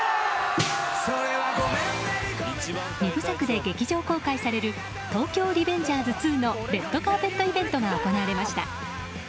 ２部作で劇場公開される「東京リベンジャーズ２」のレッドカーペットイベントが行われました。